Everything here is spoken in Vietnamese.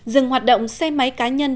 dừng hoạt động xe máy cá nhân